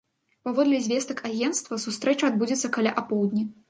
Паводле звестак агенцтва, сустрэча адбудзецца каля апоўдні.